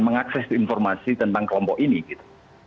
mengakses informasi tentang kelompok ini gitu